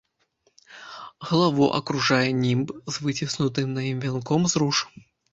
Галаву акружае німб з выціснутым на ім вянком з руж.